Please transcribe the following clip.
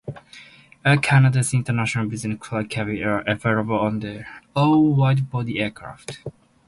Air Canada's International Business Class cabins are available on all widebody aircraft.